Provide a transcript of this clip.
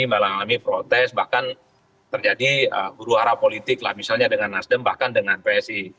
mengalami protes bahkan terjadi huru hara politik lah misalnya dengan nasdem bahkan dengan psi